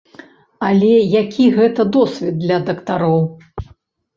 Але які гэта досвед для дактароў!